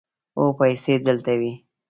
هو، پیسې دلته وې